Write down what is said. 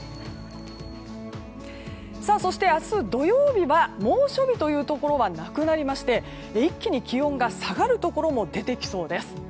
そして、明日土曜日は猛暑日というところはなくなり一気に気温が下がるところも出てきそうです。